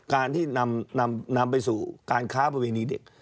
การที่นำไปสู่การค้าประเวณีเด็ก